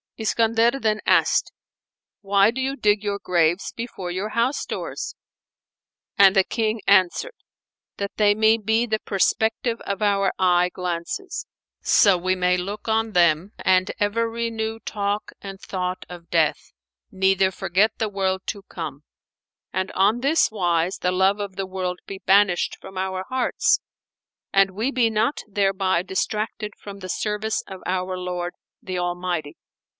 Iskandar then asked "Why do you dig your graves before your house doors?"; and the King answered, "That they may be the prospective of our eye glances; so we may look on them and ever renew talk and thought of death, neither forget the world to come; and on this wise the love of the world be banished from our hearts and we be not thereby distracted from the service of our Lord, the Almighty."